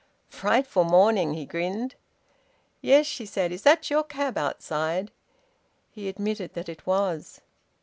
"Frightful morning!" he grinned. "Yes," she said. "Is that your cab outside?" He admitted that it was.